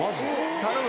頼む！